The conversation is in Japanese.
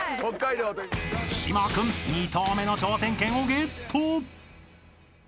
［島君２投目の挑戦権をゲット］